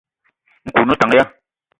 Nkou o ne tank ya ?